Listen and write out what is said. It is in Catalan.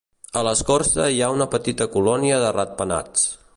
A l'escorça hi ha una petita colònia de ratpenats.